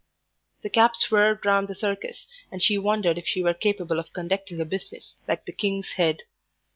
The cab swerved round the Circus, and she wondered if she were capable of conducting a business like the "King's Head."